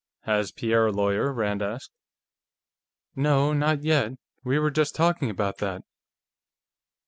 "Has Pierre a lawyer?" Rand asked. "No. Not yet. We were just talking about that."